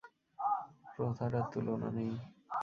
প্রথাটার তুলনা নেই!